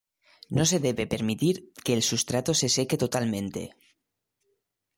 No se debe permitir que el sustrato se seque totalmente.